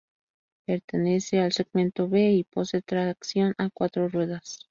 Pertenece al segmento B y posee tracción a cuatro ruedas.